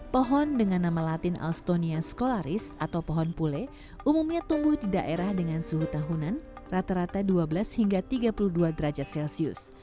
pohon dengan nama latin alstonia skolaris atau pohon pule umumnya tumbuh di daerah dengan suhu tahunan rata rata dua belas hingga tiga puluh dua derajat celcius